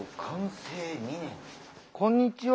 こんにちは。